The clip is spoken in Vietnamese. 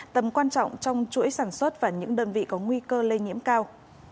tầm quan trọng trong chuỗi sản xuất và những đơn vị có nguy cơ lây nhiễm cao